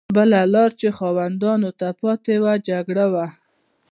بله لار چې خاوندانو ته پاتې وه جګړه وه.